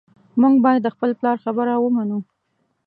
موږ باید د خپل پلار خبره ومنو